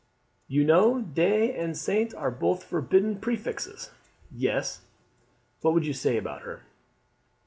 "You know de and St. are both forbidden prefixes. Yes; what would you say about her?"